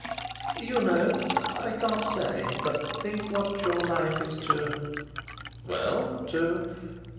"You know I can't say. But think what your life is to " "Well to